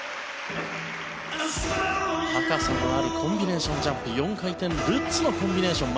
高さのあるコンビネーションジャンプ４回転ルッツのコンビネーション